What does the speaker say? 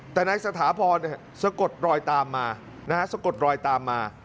แต่นายสถาพรสะกดรอยตามมาสะกดรอยตามมา